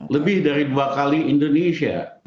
lebih dari dua kali indonesia